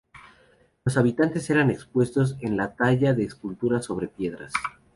Los habitantes eran expertos en la talla de esculturas sobre piedras.